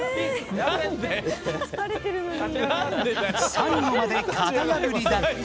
最後まで型破りだった！